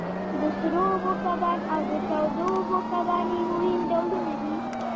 د سړو اوبو کبان او د تودو اوبو کبان یې مهم ډولونه دي.